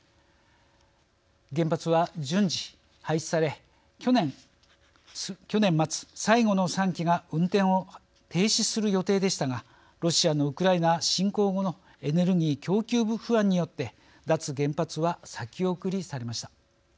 原発は順次、廃止され去年末最後の３基が運転を停止する予定でしたがロシアのウクライナ侵攻後のエネルギー供給不安によって脱原発は先送りされました。